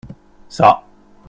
Ça.